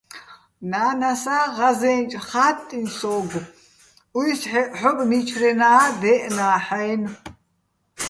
ნა́ნასა ღაზე́ნჭ "ხა́ტტიჼ" სო́გო̆, უჲსჰ̦ეჸ ჰ̦ობ, მიჩრენაა́ დე́ჸნა́ჰ̦-აჲნო̆.